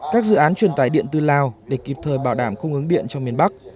các dự án truyền tải điện từ lào để kịp thời bảo đảm khung ứng điện trong miền bắc